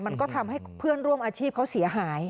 มันก็ทำให้เพื่อนร่วมอาชีพเขาเสียหาย